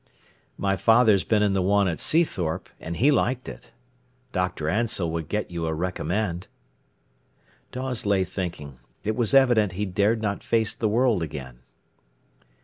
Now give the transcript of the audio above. "My father's been in the one at Seathorpe, an' he liked it. Dr. Ansell would get you a recommend." Dawes lay thinking. It was evident he dared not face the world again.